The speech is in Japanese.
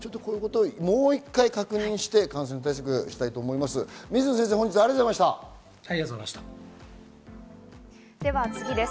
もう一度確認して感染対策したいと思います。